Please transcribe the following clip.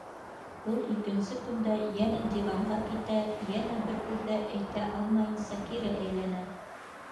Ул икенсе көндө йәнә диванға китә, йәнә бер һүҙ ҙә әйтә алмайынса кире әйләнә.